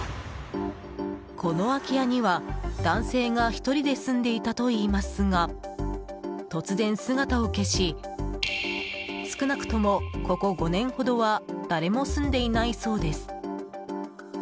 この空き家には男性が１人で住んでいたといいますが突然姿を消し少なくともここ５年ほどは誰も住んでいないそうです。